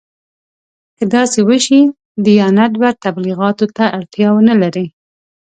که داسې وشي دیانت به تبلیغاتو ته اړتیا ونه لري.